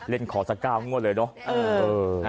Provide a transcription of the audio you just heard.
เล่นขอสัก๙งวดเลยเนอะ